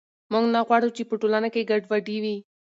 موږ نه غواړو چې په ټولنه کې ګډوډي وي.